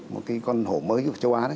một cái con hổ mới của châu á đấy